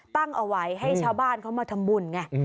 ตั้งเอาไว้ให้ชาวบ้านเขามาทำบุญไง